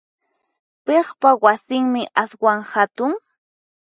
Piqpa wasinmi aswan hatun?